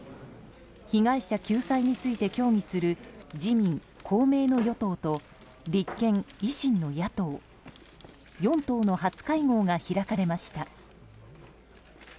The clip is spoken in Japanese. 被害者救済について協議する自民・公明の与党と立憲・維新の野党４党の初会合が開かれました。